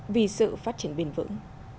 vì sự phát triển bền vững